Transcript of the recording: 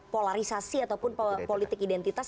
polarisasi ataupun politik identitas